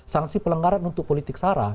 sanksi pelanggaran untuk politik sara